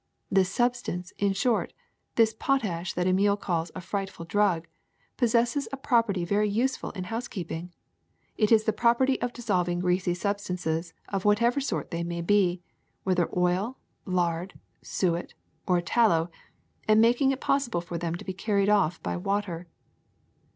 This substance, in short, this potash that Emile calls a frightful drug, possesses a prop erty very useful in housekeeping : it is the property of dissolving greasy substances of whatever sort they may be, whether oil, lard, suet, or tallow, and making it possible for them to be carried off by water.